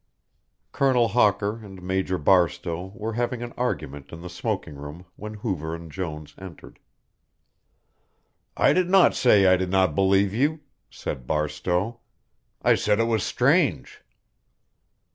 Colonel Hawker and Major Barstowe were having an argument in the smoking room when Hoover and Jones entered. "I did not say I did not believe you," said Barstowe, "I said it was strange."